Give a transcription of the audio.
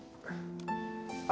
あ。